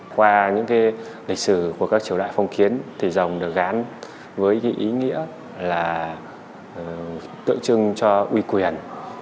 qua những lịch sử của các triều đại phong kiến thì rồng được gán với ý nghĩa là tựa chưng cho uy quyền